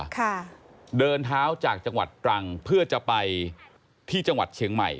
ค่ะเดินเท้าจากจังหวัดตรังเพื่อจะไปที่จังหวัดเชียงใหม่